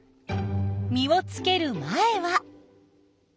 実をつける前は。